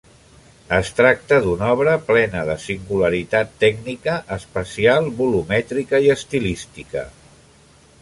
Es tracta d'una obra plena de singularitat tècnica, espacial, volumètrica i estilística.